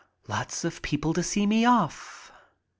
Lots of people to see me off.